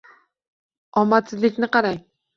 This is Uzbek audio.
Omadsizlikni qarang!